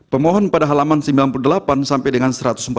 pemohon pada halaman sembilan puluh delapan sampai dengan satu ratus empat puluh